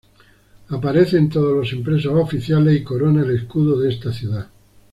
Aparece en todos los impresos oficiales y corona el escudo de esta ciudad.